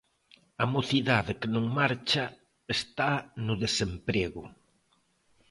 A mocidade que non marcha está no desemprego.